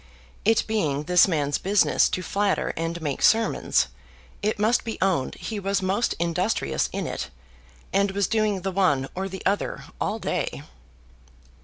It being this man's business to flatter and make sermons, it must be owned he was most industrious in it, and was doing the one or the other all day.